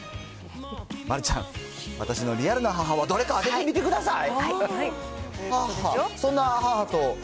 丸ちゃん、私のリアル母はどれか当ててみてください。